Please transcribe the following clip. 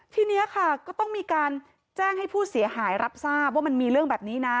ทีนี้ค่ะก็ต้องมีการแจ้งให้ผู้เสียหายรับทราบว่ามันมีเรื่องแบบนี้นะ